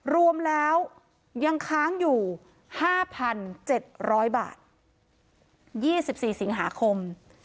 รวมแล้วยังค้างอยู่ห้าพันเจ็ดร้อยบาทยี่สิบสี่สิงหาคม